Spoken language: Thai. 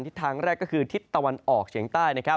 ทิศทางแรกก็คือทิศตะวันออกเฉียงใต้